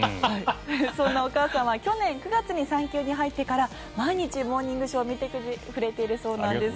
そんなお母さんは去年３月に産休に入ってから毎日、「モーニングショー」を見てくれているそうなんです。